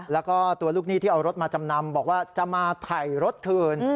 แล้วก็ตัวลูกหนี้ที่เอารถมาจำนำบอกว่าจะมาถ่ายรถคืน